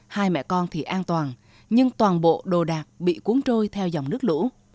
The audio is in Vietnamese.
hai mẹ con thì an toàn nhưng toàn bộ đồ đạc bị cuốn trôi theo dòng nước lũ